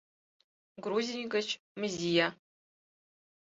Грузий гыч Мзия